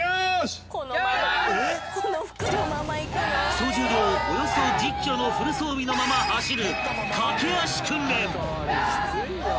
［総重量およそ１０ｋｇのフル装備のまま走る］